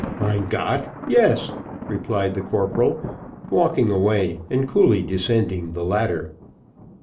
"Mein Gott, yes," replied the corporal, walking away, and coolly descending the ladder.